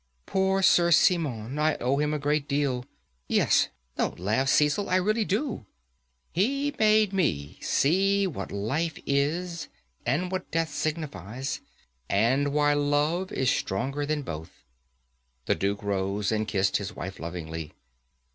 Poor Sir Simon! I owe him a great deal. Yes, don't laugh, Cecil, I really do. He made me see what Life is, and what Death signifies, and why Love is stronger than both." The Duke rose and kissed his wife lovingly.